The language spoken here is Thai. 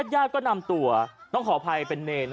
ญาติก็นำตัวต้องขออภัยเป็นเนร